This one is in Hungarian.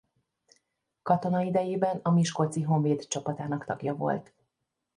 Katona idejében a Miskolci Honvéd csapatának tagja volt.